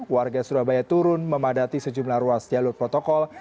warga surabaya turun memadati sejumlah ruas jalur protokol